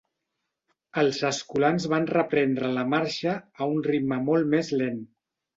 Els escolans van reprendre la marxa, a un ritme molt més lent.